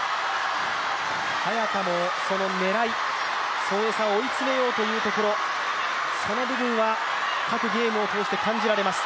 早田もその狙い、孫エイ莎を追い詰めようというところ、その部分は各ゲームを通して感じられます。